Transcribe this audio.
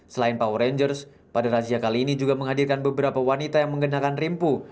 selain power rangers pada razia kali ini juga menghadirkan beberapa wanita yang mengenakan rimpu